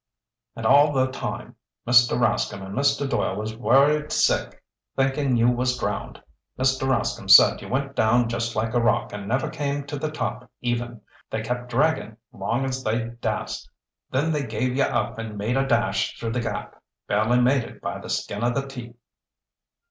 "And all the time Mr. Rascomb and Mr. Doyle was worried sick thinkin' you was drowned! Mr. Rascomb said you went down just like a rock and never came to the top even. They kept draggin', long as they dast. Then they gave you up and made a dash through the gap. Barely made it by the skin o' their teeth."